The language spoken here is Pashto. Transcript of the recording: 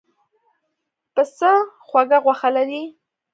پسه خوږه غوښه لري.